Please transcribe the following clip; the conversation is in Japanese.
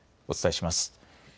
お伝えします。